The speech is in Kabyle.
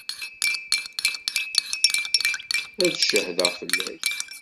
Ad d-ccehdeɣ fell-ak.